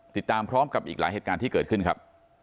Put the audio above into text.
ติดตามพร้อมกับอีกหลายเหตุการณ์ที่เกิดขึ้นครับ